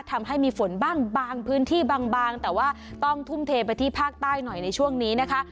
ทำให้มีฝนบ้างบางพื้นที่บางแต่ว่าต้องทุ่มเทไปที่ภาคใต้หน่อยในช่วงนี้นะคะ